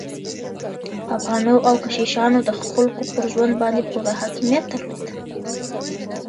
پاپانو او کشيشانو د خلګو پر ژوند باندې پوره حاکميت درلود.